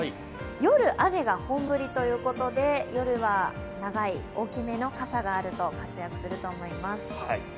夜、雨が本降りということで夜は長い大きめの傘があると活躍すると思います。